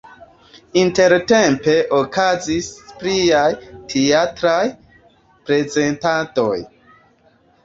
Intertempe okazis pliaj teatraj prezentadoj.